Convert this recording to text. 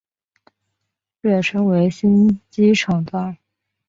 略称为新机场道。